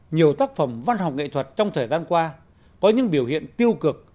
nhiều tác phẩm văn học nghệ thuật trong thời gian qua có những biểu hiện tiêu cực